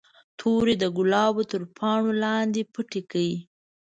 تورې د ګلابو تر پاڼو لاندې پټې کړئ.